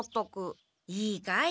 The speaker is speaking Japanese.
いいかい？